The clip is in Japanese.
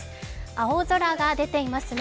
青空が出ていますね。